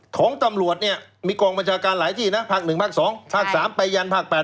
ของตำรวจเนี่ยมีกองบัญชาการหลายที่นะภาค๑ภาค๒ภาค๓ไปยันภาค๘